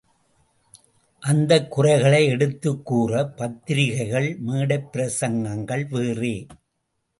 அந்தக் குறைகளை எடுத்துக் கூற பத்திரிகைகள், மேடைப் பிரசங்கங்கள் வேறே.